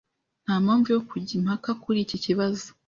Nta mpamvu yo kujya impaka kuri iki kibazo.